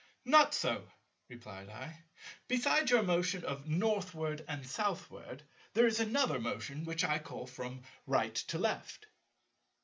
"Not so," replied I; "besides your motion of Northward and Southward, there is another motion which I call from right to left."